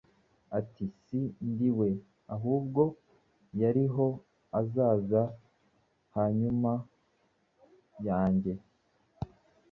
Ati ‘Si ndi we; ahubwo hariho uzaza hanyuma yanjye,